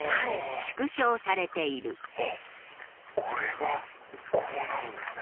これがこうなるんですね。